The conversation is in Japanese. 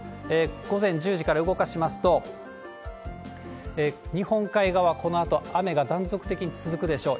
午前１０時から動かしますと、日本海側、このあと雨が断続的に続くでしょう。